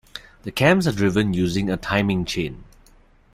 The cams are driven using a timing chain.